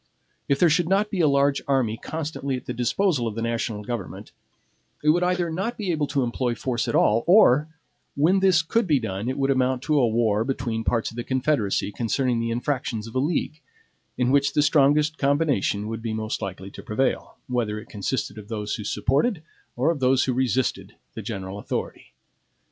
If there should not be a large army constantly at the disposal of the national government it would either not be able to employ force at all, or, when this could be done, it would amount to a war between parts of the Confederacy concerning the infractions of a league, in which the strongest combination would be most likely to prevail, whether it consisted of those who supported or of those who resisted the general authority.